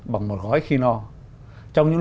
bằng một gói khi no trong những